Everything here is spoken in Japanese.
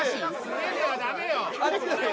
・素手ではダメよ